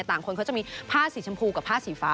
คนเขาจะมีผ้าสีชมพูกับผ้าสีฟ้า